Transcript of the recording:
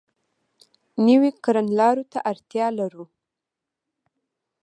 نویو کړنلارو ته اړتیا لرو.